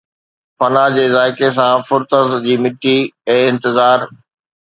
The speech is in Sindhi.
فنا جي ذائقي سان فرصت جي مٽي، اي انتظار